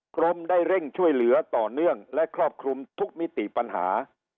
กรมได้เร่งช่วยเหลือต่อเนื่องและครอบคลุมทุกมิติปัญหา